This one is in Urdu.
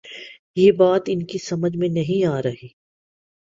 یہ بات ان کی سمجھ میں نہیں آ رہی۔